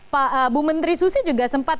pak bu menteri susi juga sempat